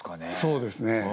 そうですね。